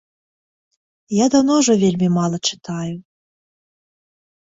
Я даўно ўжо вельмі мала чытаю.